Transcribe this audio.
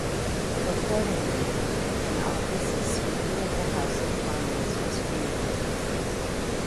Accordingly, an office of Speaker of the House of Commons was created.